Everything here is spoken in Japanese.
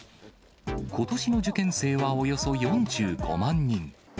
ことしの受験生はおよそ４５万人。